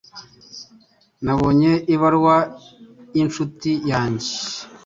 Nabonye ibaruwa yincuti yanjye.